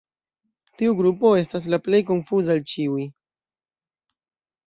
Tiu grupo estas la plej konfuza el ĉiuj.